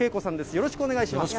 よろしくお願いします。